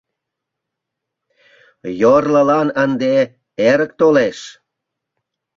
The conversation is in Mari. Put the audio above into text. Йорлылан ынде эрык толеш.